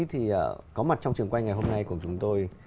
thì có mặt trong trường quay ngày hôm nay của chúng tôi